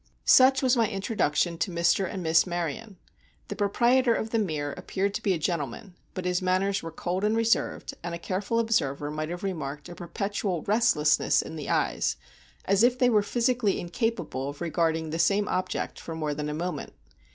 Such was my introduction to Mr. and Miss Maryon. The proprietor of The Mere appeared to be a gentleman, but his manners were cold and reserved, and a careful observer might have remarked a perpetual restlessness in the eyes, as if they were physically incapable of regarding the same object for more than a moment.